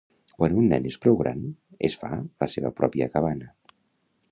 Quan un nen és prou gran, es fa la seva pròpia cabana.